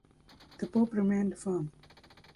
The Pope remained firm.